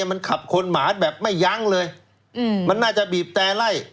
มันขับคนหมาแบบไม่ยั้งเลยอืมมันน่าจะบีบแต่ไล่